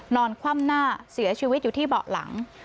คว่ำหน้าเสียชีวิตอยู่ที่เบาะหลัง